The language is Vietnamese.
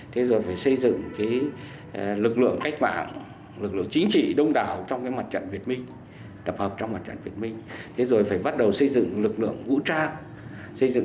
có ba thời điểm lịch sử thể hiện bản lĩnh chính trị và năng lực lãnh đạo đặc biệt của đảng ta